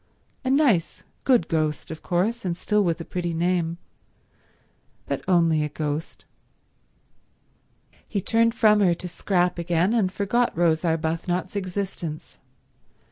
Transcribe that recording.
A nice good ghost, of course, and still with a pretty name, but only a ghost. He turned from her to Scrap again, and forgot Rose Arbuthnot's existence.